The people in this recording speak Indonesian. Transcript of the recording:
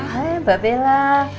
hai mbak bella